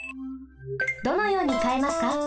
どのようにかえますか？